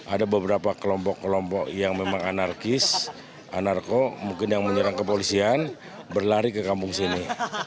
ada beberapa kelompok kelompok yang memang anarkis anarko mungkin yang menyerang kepolisian berlari ke kampung sini